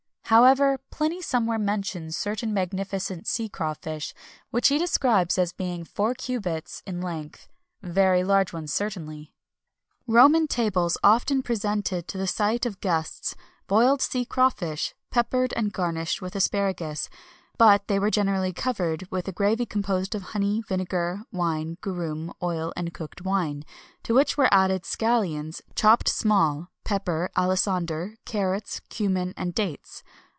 However, Pliny somewhere mentions certain magnificent sea crawfish, which he describes as being four cubits in length[XXI 261] very large ones, certainly. Roman tables often presented to the sight of guests boiled sea crawfish, peppered and garnished with asparagus,[XXI 262] but they were generally covered with a gravy composed of honey, vinegar, wine, garum, oil, and cooked wine; to which were added scallions, chopped small, pepper, alisander, carrots, cummin, and dates.